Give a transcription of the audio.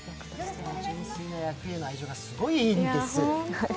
純粋な野球への愛情がすごいいいんです